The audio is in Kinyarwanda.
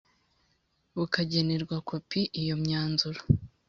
bukagenerwa kopi Iyo myanzuro